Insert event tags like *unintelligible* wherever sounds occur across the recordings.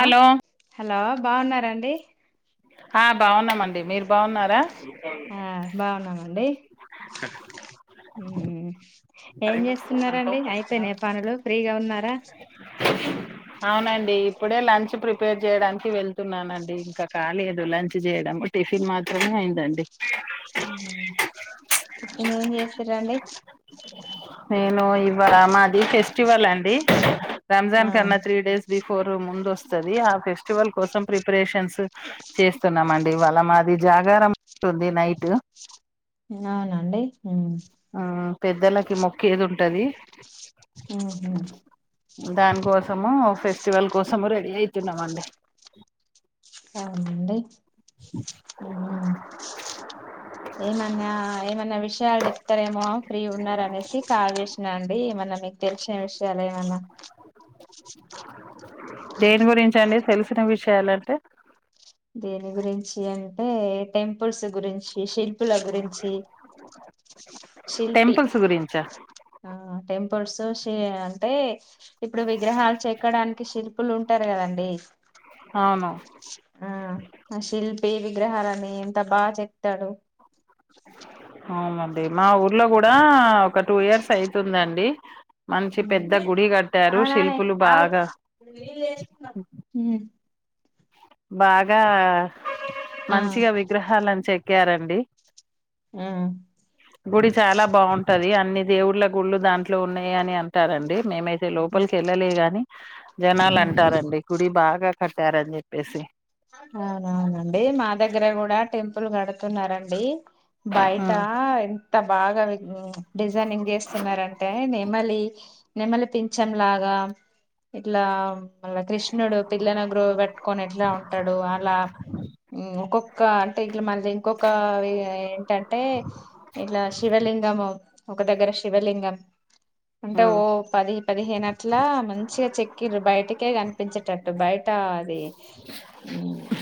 Hello hello బాగున్నారండి ఆ బాగున్నామండి మీరు బాగున్నారా ఆ బాగున్నామండి ఉమ్ ఏం జేస్తున్నారండి అయిపోయినయా పనులు ఫ్రీగా ఉన్నారా అవునండి ఇప్పుడే లంచ్ ప్రిపేర్ జేయడానికి వెళ్తున్నానండి ఇంకా కాలేదు లంచ్ చేయడం టిఫిన్ మాత్రమే అయిందండి అవునా టిఫిన్ ఏం చేసిరండి నేను ఇవాళ మాది ఫెస్టివల్ అండి రంజాన్ ఆ కన్నా త్రీ డేస్ బి ఫోర్ ముందు వస్తది ఆ ఫెస్టివల్ కోసం ప్రిపరేషన్స్ చేస్తున్నామండి వాళ్ళ మాది జాగారం ఉంటుంది నైటు అవునా అండి పెద్దలకి మొక్కేది ఉంటది ఉమ్ హూ దాని కోసము ఫెస్టివల్ కోసము రెడీ అయితున్నాము అండి అవునా అండి ఉమ్ హూ ఏమన్నా ఏమన్నా విషయం విషయాలు చెప్తరేమో ఫ్రీ గున్నారు అనేసి కాల్ జేసినా అండి ఏమన్నా మీకు తెలిసిన విషయాలు ఏమన్నా దేని గురించి అండి తెలిసిన విషయాలంటే దేని గురించి అంటే టెంపుల్స్ గురించి ఈ శిల్పుల గురించి శిల్పి టెంపుల్స్ గురించా ఆ టెంప్ *unintelligible* అంటే ఇప్పుడు విగ్రహాలు చెక్కడానికి శిల్ శిల్పులు ఉంటారు కదండి. అవును ఆ శిల్పి విగ్రహాలని ఎంత బాగా చెక్తాడు. అవునండి మా ఊర్లో కూడా ఒక టూ ఇయర్స్ అయితుందండి. మంచి పెద్ద గుడి కట్టారు అవునా నే శిల్పులు ఆ గు బాగా బాగా ఆ మంచిగా విగ్రహాలని చెక్కారండి. గుడి చాలా బాగుంటది. అ అన్ని దేవుళ్ళ గుళ్లు దాంట్లో ఉన్నాయి అని అంటారండి. మేమైతే లోపలికి వెళ్ళలే గాని జనాలు ఆ అంటారండి. గుడి బాగా కట్టారని చెప్పి పేసి అవునవునండి మా దగ్గర కూడా టెంపుల్ కడుతున్నారండి. బాయట ఉమ్ ఎంత? బాగా డిజైనింగ్ చేస్తున్నారంటే, నెమలి నెమలి పించంలాగా ఇట్లా మళ్ళా కృష్ణుడు పిల్లన గ్రోవి పెట్టుకొని ఎట్లా ఉంటాడు అలా ఇంకొక్క అంటే ఇట్లా మనది ఇంకొక ఏంటంటే ఇలా శివలి శిలింగము ఒక దగ్గర శివలింగం అంటే ఓ పది పదిహేను అట్లా మంచిగా చెక్కిరు బయటికే కనిపించేటట్టు బయట అది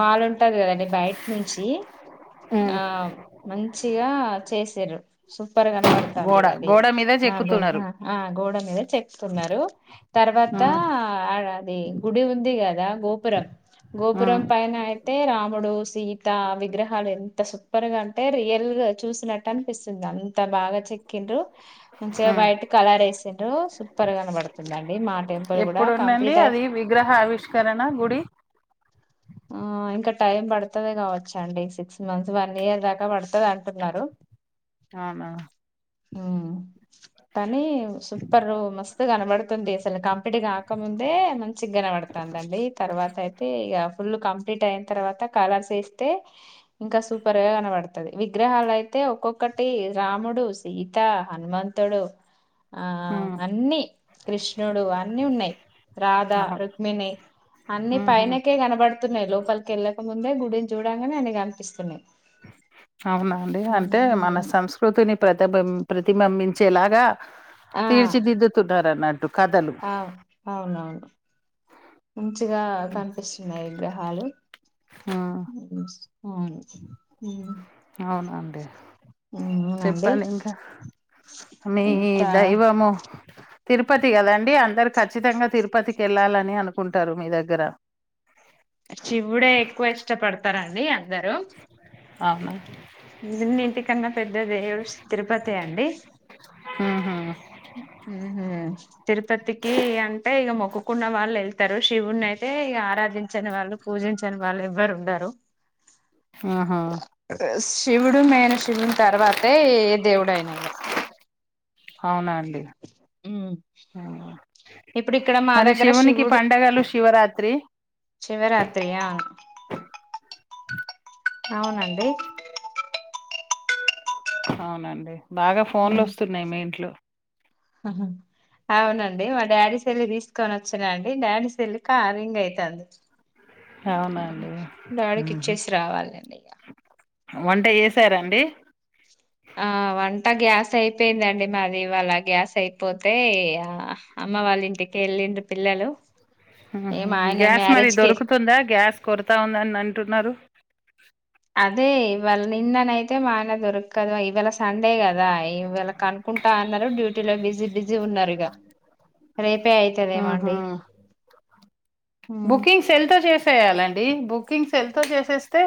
వాళ్ళు ఉంటది కదండి బయట నుంచి ఉమ్, ఆ మంచిగా చేసిరు. సు రు కనబడుతుంది గోడ అది గోడ మీద చెక్కుతున్నారు గోడ మీద చెక్కుతు న్నారు తర్వాత త ఉమ్ అది గుడి ఉంది కదా గోపురం ఉమ్ గోపురం పైన అయి అయితే రాముడు సీత విగ్రహాలు ఎంత సూపర్ గా అంటే, రియల్ గా చూసినట్టు అనిపిస్తుంది. అంతా బాగా చెక్ మంచిగా ఉమ్. బయట కలర్ వేసిండ్రు సూపర్ గానబడుతుందండి. మా టెంపుల్ కూడా ఎప్పుడు అండి కంప్లీట్ అయి అది విగ్రహ ఆవిష్కరణ గుడి ఆ ఇంకా టైమ్ పడుతుంది కావచ్చ అండి. సిక్స్ మంత్స్ వన్ ఇయర్ దాకా పడుతుంది అంటున్నారు. మ్ హూ తనీ సూపర్, రా మస్త్ కనబడుతుంది అసలు కంప్లీట్ కాకముందే మంచి. కాపాడుతుందని తర్వాత అయితే ఇక ఫుల్లు కంప్లీట్ అయిన తర్వాత కలర్స్ వేస్తే ఇంకా సూపర్ గా కనబడుతాది. విగ్రహాలు అయితే అ ఒక్కొక్కటి రాముడు, సీత, హనుమంతుడు ఆ హ్మ్ అన్నీ కృష్ణుడు అన్నీ ఉన్నాయి రాధ అవును రుక్మిణి అన్ని హ్మ్ హు పైనకే కనబడుతున్నాయి. లోపలికి వెళ్ళక ముందే గుడిని చూడంగాని అని కనిపిస్తున్నాయి. అవునండి అంటే మన ఉమ్. సంస్కృతిని ప్రతిబిం ప్రతిబింబించేలాగా ఆ తీర్చిదిద్దుతున్నారన్న అవును అవునవునుంచి గా కనిపిస్తున్నాయి గ్రహాలు. హ్మ్ *unintelligible* అవునండి ఉ ఉందునా అండి చెప్పండి ఇంకా మీ దైవము తిరుపతి కదండి. అందరూ ఖచ్చితంగా తిరుపతికి వెళ్ళాలని అనుకుంటారు మీ దగ్గర. శివుడే ఎక్కువ ఇష్టపడతారంండి అందరూ. అవునా? అన్నిటికన్నా పెద్దది తిరుపతి అండి. మ్ హూ తిరుపతికి అంటే ఇక మొక్కుకున్న వాళ్ళు వెళ్తారు శివున్ని అయితే అయితే ఇ ఆరాధించని వాళ్ళు పూజించని వాళ్ళు ఎవ్వరు ఉండరు. ఆహా శివుడు మేను శివుని తర్వాతే దేవుడైన అవునా అండి మ్ ఇప్పుడు ఇక్కడ మా మరి దగ్గర శివునికి పండగలు శివరాత్రి శివరాత్రి ఆ అవునండి అవునండి బాగా ఫోన్లొస్తున్నయి మీ ఇంట్లో హహ అవునండి మా డాడీ సెల్ దిస్ కొని ఒచ్చినాండి డాడీ సెల్ల్ కా రింగ్ అయితాంది అవునండి ఊహు డాడికిచ్చేసి రావాలండి ఇగ వంట చేసారండి ఆ వంట గ్యాస్ అయిపోయిందండి మాదివాళ గ్యాస్ అయిపోతే ఆ అమ్మ వాళ్ళ ఇంటికి ఎళ్ళండ్రు పిల్లలు ఏం మ్హ్ ఆయన గ్యాస్ మరి మ్యారేజ్ కి దొరుకుతుందా గ్యాస్ కొరతా ఉందని అంటున్నారు అదే ఇవాళ నిన్ననయితే మా ఆయన దొరకదు ఇవేళ సండే కదా ఇవేళ కను కుంటా అన్నారు డ్యూటీలో బిజీ బిజీ ఉన్నర్ ఇగ రేపే అయిత దేమో ఊహు అండి బుకింగ్ సెల్తొ చేసేయాలండి బుకింగ్ సెల్తొ చేస్ స్తే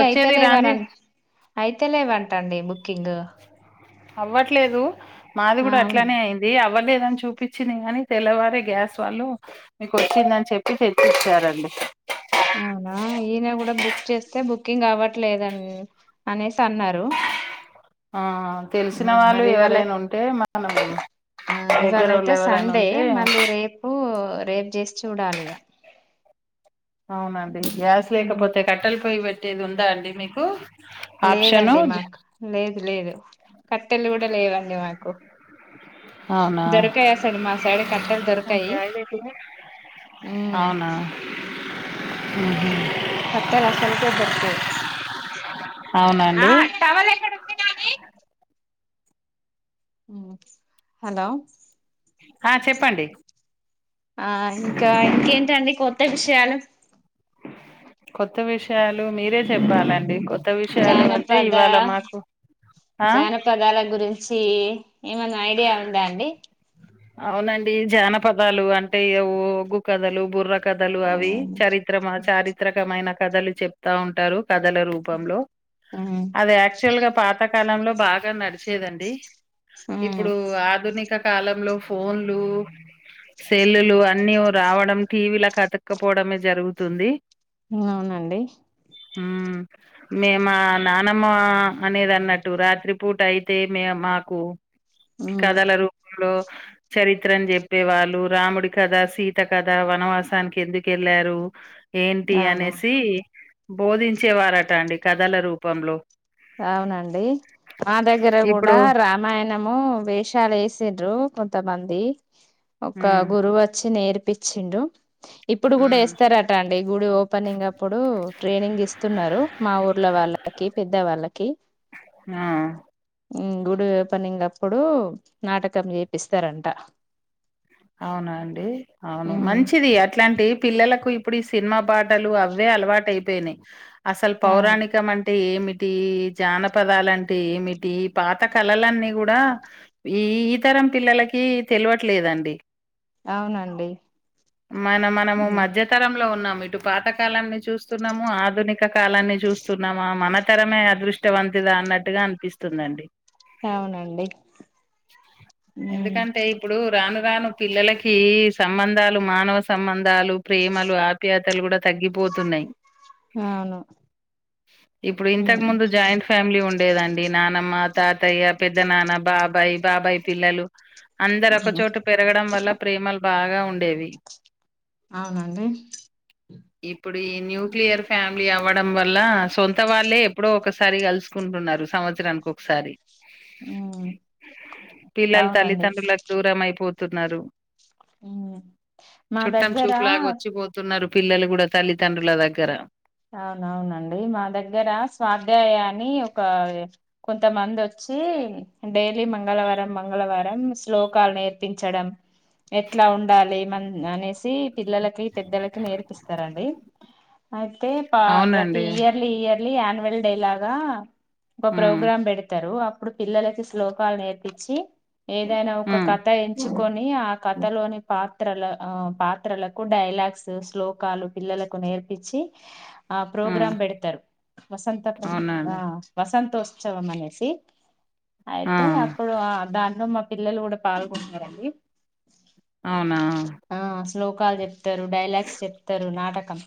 ఒచ్చేది రాన్ది అయితే లేవంటండి బు అవ్వట్లేదు మాది గుడ అవును అట్లనే అయింది అవ్వలేదు చూపిచింది గని తెల్లవారే గ్యాస్ వాళ్ళు మీకు ఒచ్చిందని చెప్పి తెచ్చిచారండి అవునా ఈన గూడ బుక్ చేస్తే బుకింగ్ అవ్వట్లేదండి అనే తన్నరు ఆ తెలిసిన వాళ్ళు ఇవాళ ఎవరైనుంటే మన ఆ ఇవాళయితే సండే మళ్ళీ రేపు రేప్ జేసి చూడాల్ ఇగ అవునండి గ్యాస్ లేకపోతే కట్టెల పొయ్యి వెట్టేది ఉందా అండి మీకు ఆప్షను లేదండి మాకు లేదు లేదు కట్టెలు గుడ లేవండి మాకు అవునా దొరకయి అసలు మా సైడ కట్టెలు దొరకయి అవునా మ్హ్ కట్టెల్ అసల్కె దొర్కయి ఆ అవునండి టవల్ ఎక్కడ ఉంది నాని మ్ హలో హా చెప్పండి ఆ ఇంకా ఇంకేంటండి కొత్త విషయాలు కొత్త విషయాలు మీరే చెప్పాలండి కొ జానపద ఆ జానపదాల గురించి ఏమన్న ఐడియా ఉందా అండి అవునండి జానపదాలు అంటే ఓ ఒగ్గు కథలు బుర్ర కథలు అవి ఉమ్ చరిత్ర చారిత్రకమైన కథలు చెప్తా ఉంటారు కథల రూపంలో ఉమ్ అది యాక్చువల్ గా పాత కాలంలో బాగా నడిచేదండి ఇప్పుడు మ్ ఆధునిక కాలంలో ఫోన్లు సెల్లులు అన్నీ రావడం టీవీలక్ అత్తుకుపోడమే జరుగుతుంది అవునండి హ మే మా నానమ్మ అనేది అన్నట్టు రాత్రిపూట అయితే మేము మాకు ఉమ్ కథల రూపంలో చరిత్రని చెప్పే వాళ్ళు రాముడి కథ సీత కథ వనవాసానికి ఎందుక్ ఎళ్లారు ఏంటి అవును అనేసి బోధించేవారట అండి కథల రూపంలో అవునండి మా దగ్గర గూడ ఇప్పుడు రామాయణము వేషాలు వేసిండ్రు కొంతమంది ఒక మ్మ్ గురువు వచ్చి నేర్పి పిచ్చిండు ఇప్పుడు కూడా మ్మ్. ఇస్తారట అండి గుడి ఓపెనింగ్ అప్పుడు ట్రైనింగ్ ఇస్తున్నారు మా ఊర్లో వాళ్ళకి పెద్ద వాళ్ళకి ఉమ్ గుడి ఓ పనింగ్ అప్పుడు నాటకం చేపిస్తారంట అవునండి అవును ఉమ్ మంచిది అట్లాంటి పిల్లలకు అప్పుడు ఈ సినిమా పాటలు అవే అలవాట అయిపోయినాయి అసలు అవును పౌరాణికం అంటే ఏం మిటి జానపదాలంటే ఏమిటి పాత కళలన్నీ కూడా ఈ ఈతర తరం పిల్లలకి తెలివట్లేదండి అవునండి మన మనము ఉమ్, మధ్యతరంలో ఉన్నాము ఇటు పాతకాలాన్ని చూస్తున్నాము ఆధునిక కాలాన్ని చూస్తున్నామా మన తరమే అదృష్టవంతుద అన్నట్టుగా అనిపిస్తుందండి అవునండి ఉమ్ ఎందుకంటే ఇప్పుడు రాను గాను పిల్లలకి సంబంధాలు మానవ సంబంధాలు ప్రేమలు ఆప్యాతలు కూడా తగ్గిపోతున్నాయి అవును ఇప్పుడు ఉమ్ ఇంతకు ముందు జాయింట్ ఫ్యామిలీ ఉండ లేదండి నానమ్మ తాతయ్య పెద్ద నాన్న బాబాయ్ బాబాయ్ పిల్లలు అందరు ఒక ఉమ్, చోటు పెరగడం వల్ల ప్రేమలు బాగా ఉండేవి అవునండి ఇప్పుడు ఈ న్యూక్లియర్ ఫ్యామిలీ అవ్వడం వల్ల సొంత వాళ్ళే ఎప్పుడో ఒకసారి కలుసుకుంటున్నారు సంత్సర కసారి ఉమ్ పిల్లలు అవునండి తల్లిదండ్రులకు దూరం అయిపోతు తున్నారు ఉమ్ మా చుట్టం దగ్గర చూపులాగా వచ్చిపోతున్నారు పిల్లలు కూడా తల్లిదండ్రుల దగ్గర అవునవునండి మా దగ్గర స్వాధ్యాయాన్ని ఒక కొంతమంది వచ్చి వచ్చి డైలీ మంగళవారం మంగళవారం శ్లోకాలు నేర్పించడం ఎట్లా ఉండాలి మం అనేసి పిల్లలకి పెద్దలకి నేర్పిస్తారండి అ తే పా ప్రతి అవునండి. ఇయర్లీ ఇయర్లీ ఆన్యువల్ డే లాగా ఒక హ్మ్. ప్రోగ్రాం పెడతరు అప్పుడు పిల్లలకి శ్లోకాలు నేర్పిచ్చి ఏదైనా ఒక హ్మ్. కథ ఎంచుకొని ఆ కథలోని పాత్ర త్రల ఆ పాత్రలకు డైలాగ్స్ శ్లోకాలు పిల్లలకు నేర్పిచ్చి ఆ హ్మ్. ప్రోగ్రాం పెడతారు వసంత ప ఆ అవునండి. వసం ఉత్సవం అనేసి ఆ! అయితే అప్పుడు ఆ దాంట్లో పిల్లలు కూడా పాల్గొంటున్నారండి అవునా ఆ శ్లోకాలు చెప్తారు డైలాగ్స్ చెప్తరు నాటకం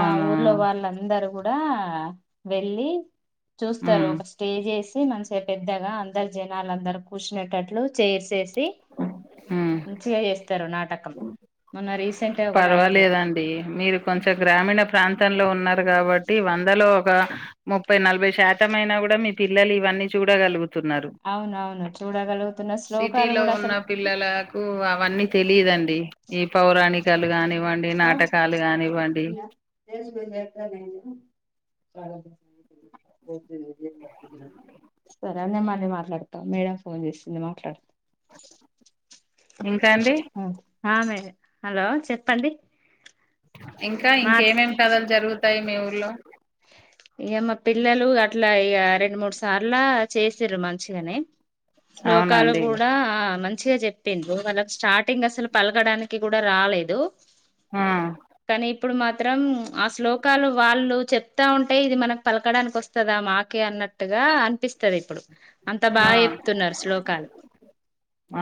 మా ఊర్లో వాళ్ళందరు కూడా వెళ్ళి చూస్తారు హ్మ్. ఒక స్టేజ్ వేసి మంచిగా పెద్దగా అందరు జనాలు అందరు కూర్చునేటట్లు చేర్సేసి హ్మ్. మంచిగా చేస్తారు నాటకం మొన్న రీస్ పర్వాలేదండి మీరు కొంచెం గ్రామీణ ప్రాంతంలో ఉన్నారు కాబట్టి వందలో ఒక ముప్పై నలభై శాతం అయినా కూడా మీ పిల్లలు ఇవన్నీ చూడగలుగు అవునవును చూడగలుగుతున్న సిటీ శ్లోకాలు లో కూడా ఉన్న అసలు పిల్లలకు అవన్నీ తెలిదండి ఈ పౌరాణి హలో చ *inaudible* సరే అండి మళ్ళీ మాట్లాడతా మేడం ఫోన్ చేసింది మాట్లాడత *inaudible* ఇంకా అండి? హా మేడమ్ చెప్పండి ఇంకా మా ఇంకేమేమి కథలు జరుగుతాయి మీ ఊర్లో ఇగ మా పిల్లలు అట్లా ఇగ రెండు మూడు సార్ల చేసిర్రు మంచిగనే శ్లోకాలు అవునండి. కూడా ఆ మం చ్చిగా చెప్పిళ్ళు వాళ్ళకి స్టాటీంగ్ అసలు పలకడానికి కూడా రాలేదు. ఆ కానీ ఇప్పుడు మాత్రం ఆ శ్లోకాలు వాళ్ళు చెప్ త్తా ఉంటే ఇది మనకు పలకడానికి వస్తదా మాకే అన్నట్టుగా అనిపిస్తది ఇప్పుడు అంత బాగా ఆ! చెప్తున్నరు శ్లోకాలు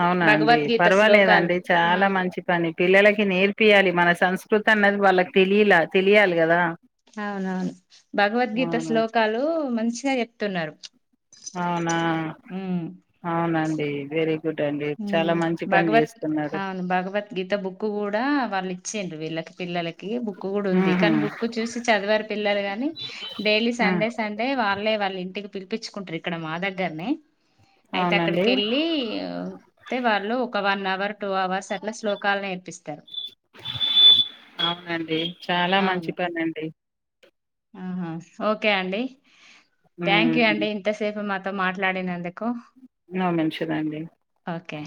అవునా అండి భగవద్గీత శ్లోకాలు పర్వాలేదండి ఆ చాలా మంచి పని పిల్లలకి నేర్పియాలి మన సంస్కృ తన్నది వాళ్ళకి తెలియలా తెలియాలి కదా అవునవును భగవద్గీత అవును శ్లోకాలు మంచిగా చెప్తున్నారు అవునావును అవునండి వెరీ గుడ్ అండి చాలా హ్మ్ మంచి పని భగవత్ చేస్తున్నారు అవును భగవద్గీత బుక్ కూడా వాళ్ళు ఇచ్చిర్రు వీళ్ళకి పిల్లలకి బుక్ కూడా ఉంది ఉహు కానీ, బుక్ చూసి చదవారు పిల్లలు గాని డైలీ ఉ సండే సండే వాళ్ళే వాళ్ళ ఇంటికి పిలిపించుకుంటరు ఇక్కడ మా దగ్గరనే అయితే అవునండి అక్కడికి వెళ్ళి అయితే వాళ్ళు ఒక వన్ అవర్ టూ అవర్స్ అట్లా శ్లోకాలు నేర్పి అవునండి చాలా మంచి పనండి హుహు ఓకే అండి థ్యాంక్ యూ అండి ఉమ్ ఇంతసేపు మాతో మాట్లాడినందుక్ నో మెన్షన్ అండి ఓకే